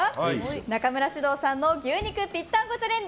中村獅童さんの牛肉ぴったんこチャレンジ